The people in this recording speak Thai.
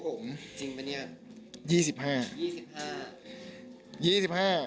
จริงป่ะเนี่ย